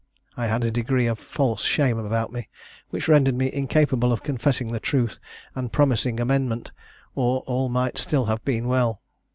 I had a degree of false shame about me, which rendered me incapable of confessing the truth and promising amendment, or all might still have been well.